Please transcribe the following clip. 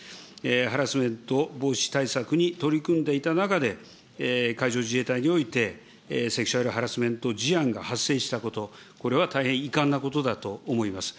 ハラスメント防止対策に取り組んでいた中で、海上自衛隊においてセクシュアルハラスメント事案が発生したこと、これは大変遺憾なことだと思います。